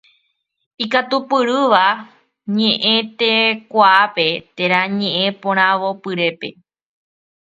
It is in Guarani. Ikatupyrýva ñeʼẽtekuaápe térã ñeʼẽporavopyrépe.